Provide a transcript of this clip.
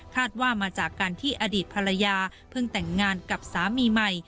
ว่ามาจากการที่อดีตภรรยาเพิ่งแต่งงานกับสามีใหม่